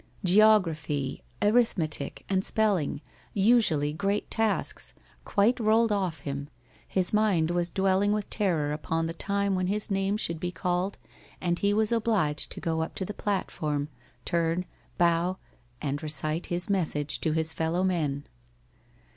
Geography, arithmetic, and spelling usually great tasks quite rolled off him. His mind was dwelling with terror upon the time when his name should be called and he was obliged to go up to the platform, turn, bow, and recite his message to his fellow men.